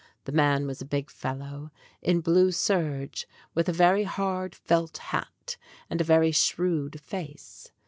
The man was a big fellow, in blue serge, with a very hard felt hat and a very shrewd face.